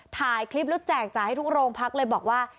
ถ่ายคลิปแล้วแจกจ่ายให้ทุกโรงพักเลยบอกว่า